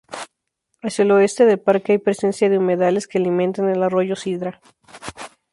Hacia el oeste del parque hay presencia de humedales que alimentan al arroyo Sidra.